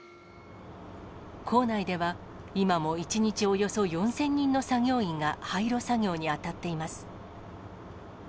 構内では、今も１日およそ４０００人の作業員が廃炉作業に当たっています。